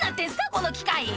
この機械」